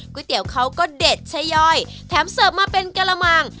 เตี๋ยวเขาก็เด็ดชะย่อยแถมเสิร์ฟมาเป็นกระมัง